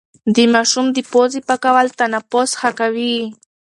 د ماشوم د پوزې پاکول تنفس ښه کوي.